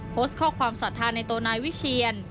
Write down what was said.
โพสต์ข้อความศรัทธาในตัวนายวิเชียน